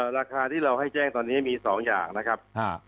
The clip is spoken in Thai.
ราคาที่เราให้แจ้งตอนนี้มี๒อย่างนะครับ